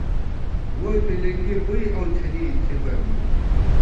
ووئی پِلِنگی بُوئی اؤ تھن ، تھِبہ می